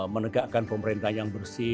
menegakkan pemerintah yang bersih